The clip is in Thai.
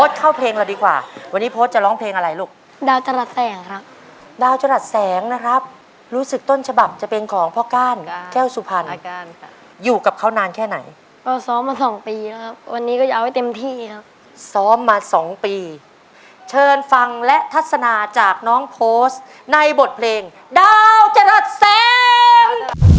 ดาวจรัฐแสงนะครับรู้สึกต้นฉบับจะเป็นของพ่อก้านแก้วสุพรรณอยู่กับเขานานแค่ไหนก็ซ้อมมาสองปีแล้วครับวันนี้ก็จะเอาให้เต็มที่ครับซ้อมมาสองปีเชิญฟังและทัศนาจากน้องโพสต์ในบทเพลงดาวจรัฐแสง